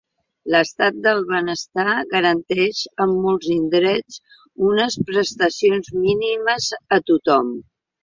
L'Estat del benestar garanteix en molts indrets unes prestacions mínimes a tothom.